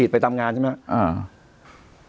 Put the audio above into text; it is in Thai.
ก็คือข้าวสารของพี่สายชน